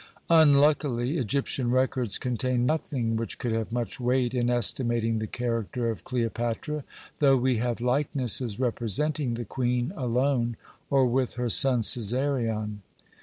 Unluckily, Egyptian records contain nothing which could have much weight in estimating the character of Cleopatra, though we have likenesses representing the Queen alone, or with her son Cæsarion.